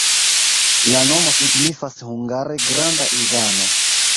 La nomo signifas hungare: granda Ivano.